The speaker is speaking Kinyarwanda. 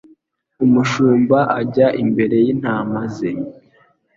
Umushumba ajya imbere y'intama ze,